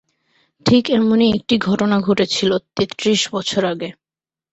ঠিক এমনই একটি ঘটনা ঘটেছিলো তেত্রিশ বছর আগে।